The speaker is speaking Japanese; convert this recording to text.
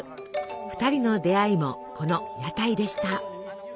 ２人の出会いもこの屋台でした。